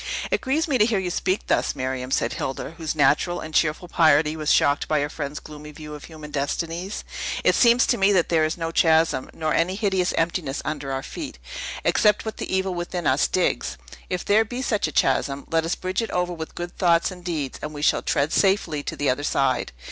"It grieves me to hear you speak thus, Miriam," said Hilda, whose natural and cheerful piety was shocked by her friend's gloomy view of human destinies. "It seems to me that there is no chasm, nor any hideous emptiness under our feet, except what the evil within us digs. If there be such a chasm, let us bridge it over with good thoughts and deeds, and we shall tread safely to the other side.